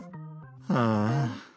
ああ。